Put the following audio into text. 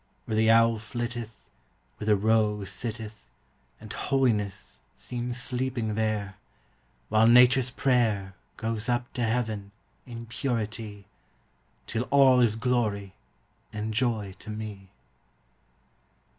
Where the owl flitteth, Where the roe sitteth, And holiness Seems sleeping there; While nature's prayer Goes up to heaven In purity, Till all is glory And joy to me!